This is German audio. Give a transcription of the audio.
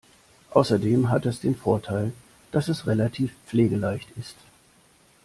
Außerdem hat es den Vorteil, dass es relativ pflegeleicht ist.